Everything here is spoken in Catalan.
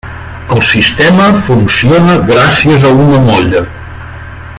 El sistema funciona gràcies a una molla.